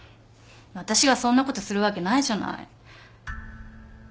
私がそんなことするわけないじゃない。